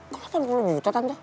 kok delapan puluh juta tante